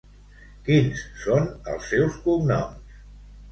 Quins són els seus cognoms?